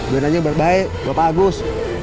benarnya baik baik gua pak agus